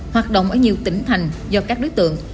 hoạt động ở nhiều tỉnh thành do các đối tượng